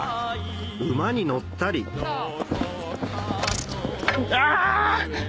馬に乗ったりあ！